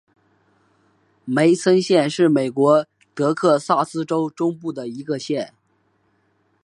梅森县是美国德克萨斯州中部的一个县。